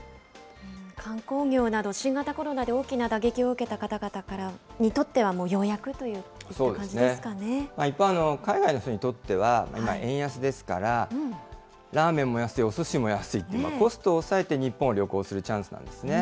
観光業など、新型コロナで大きな打撃を受けた方々にとってはもうようやくとい一方、海外の人にとっては、今、円安ですからラーメンも安い、おすしも安いと、コストを抑えて日本を旅行するチャンスなんですね。